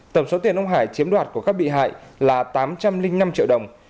tổng số tiền ông hải chiếm đoạt của các bị hại là tám trăm linh năm triệu đồng